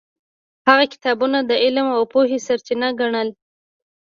هغه کتابونه د علم او پوهې سرچینه ګڼل.